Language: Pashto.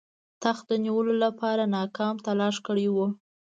تخت د نیولو لپاره ناکام تلاښ کړی وو.